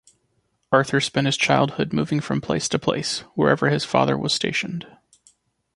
Arthur spent his childhood moving from place to place, wherever his father was stationed.